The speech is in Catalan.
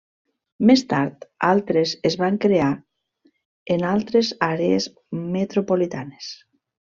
Més tard, altres es van crear en altres àrees metropolitanes.